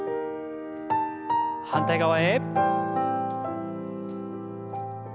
反対側へ。